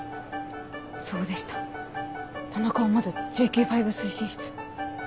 そうでした田中はまだＪＫ５推進室。